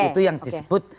itu yang disebut